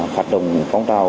phát động công tạo